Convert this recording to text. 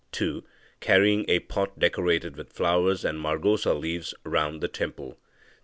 (2) Carrying a pot decorated with flowers and margosa leaves round the temple.